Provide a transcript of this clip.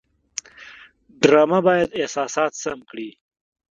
ډرامه باید احساسات سم کړي